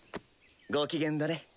ご機嫌だね。